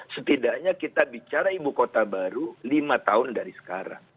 setidaknya kita bicara ibu kota baru lima tahun dari sekarang